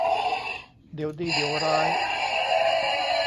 เดี๋ยวดีเดี๋ยวร้าย